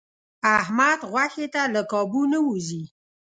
احمد غوښې ته له کابو نه و ځي.